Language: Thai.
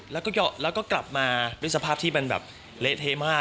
แล้วก็กลับมาด้วยสภาพที่มันแบบเละเทะมาก